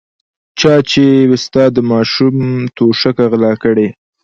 چا چې ستا د ماشوم توشکه غلا کړې.